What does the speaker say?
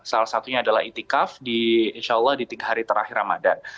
salah satunya adalah itikaf di insya allah di tiga hari terakhir ramadan